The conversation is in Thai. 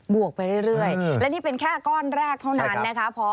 วกไปเรื่อยและนี่เป็นแค่ก้อนแรกเท่านั้นนะคะ